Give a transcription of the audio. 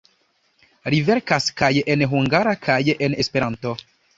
Li verkas kaj en hungara kaj en Esperanto.